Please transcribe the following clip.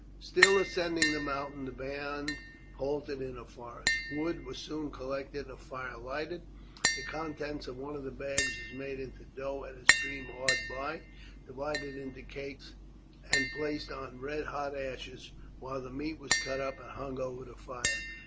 Still ascending the mountain the band halted in a forest. Wood was soon collected and a fire lighted. The contents of one of the bags was made into dough at a stream hard by, divided into cakes and placed on red hot ashes, while the meat was cut up and hung over the fire.